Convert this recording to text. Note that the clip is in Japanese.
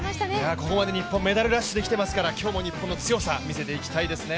ここまで日本、メダルラッシュできていますから、今日も日本の強さを見せていただきたいですね。